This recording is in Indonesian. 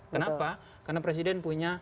kenapa karena presiden punya